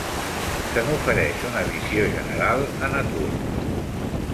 Se n'ofereix una visió general a "Nature".